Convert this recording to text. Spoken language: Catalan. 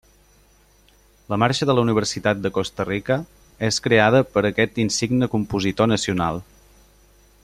La Marxa de la Universitat de Costa Rica és creada per aquest insigne compositor nacional.